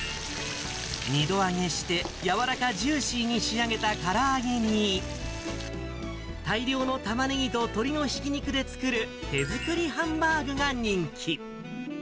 ２度揚げして、柔らかジューシーに仕上げたから揚げに、大量のタマネギと鶏のひき肉で作る、手作りハンバーグが人気。